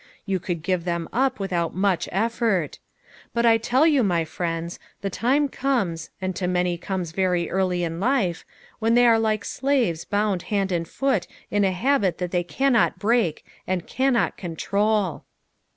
You could give them up without much effort; but I tell you, my friends, the time comes, and to many it comes very early in life, when they are like slaves bound hand and foot in a habit that they cannot break, and cannot control."